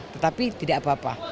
tetapi tidak apa apa